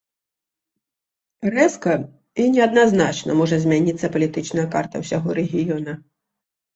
Рэзка і неадназначна можа змяніцца палітычная карта ўсяго рэгіёна.